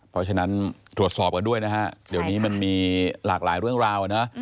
เพราะฉะนั้นตรวจสอบกันด้วยนะฮะเดี๋ยวนี้มันมีหลากหลายเรื่องราวนะ